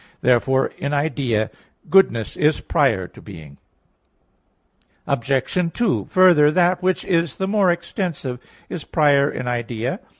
Therefore in idea goodness is prior to being. Obj. 2: Further, that which is the more extensive is prior in idea.